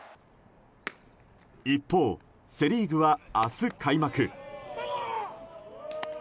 一方、セ・リーグは明日開幕。